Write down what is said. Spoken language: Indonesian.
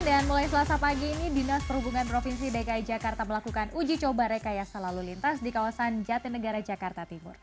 dan mulai selasa pagi ini dinas perhubungan provinsi dki jakarta melakukan uji coba rekayasa lalu lintas di kawasan jatinegara jakarta timur